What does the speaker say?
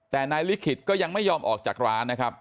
แต่นายลิขิตก็ยังไม่ยอมออกจากร้านนะครับ